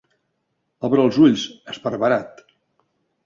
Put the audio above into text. Obres els ulls, esparverat.